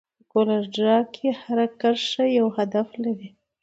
په کولر ډراو کې هره کرښه یو هدف لري.